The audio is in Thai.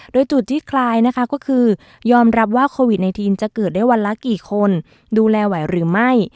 โดยจุดที่คลายนะคะก็คือยอมรับว่าโควิด๑๙จะเกิดได้วันละกี่คนดูแลไหวหรือไม่